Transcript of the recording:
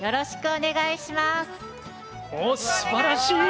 おおすばらしい！